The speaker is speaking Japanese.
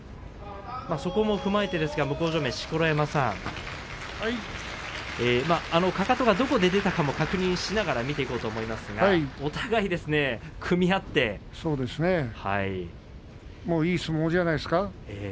そこも踏まえてですが、錣山さんかかとが、どこで出たのも確認しながら見ていこうと思いますがいい相撲じゃないですか？